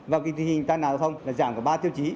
và tình hình tại nào không là giảm có ba tiêu chí